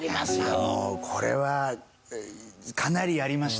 もうこれはかなりありましたよ。